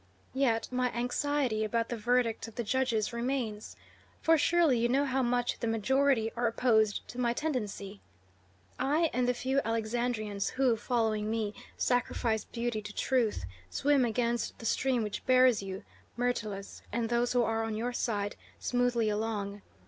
Yet my anxiety about the verdict of the judges remains, for surely you know how much the majority are opposed to my tendency. I, and the few Alexandrians who, following me, sacrifice beauty to truth, swim against the stream which bears you, Myrtilus, and those who are on your side, smoothly along.